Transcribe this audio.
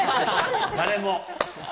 誰も。